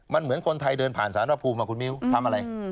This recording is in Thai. มันเหมือนคนไทยเดินผ่านสารภูมิคุณมิ้วทำอะไร